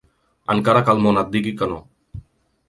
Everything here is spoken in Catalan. Encara que el món et digui que no.